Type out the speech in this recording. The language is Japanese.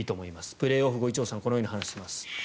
プレーオフ後、伊調さんはこのように話しています。